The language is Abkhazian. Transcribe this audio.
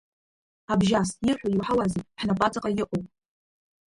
Абжьас ирҳәо иуаҳауазеи ҳнапаҵаҟа иҟоу?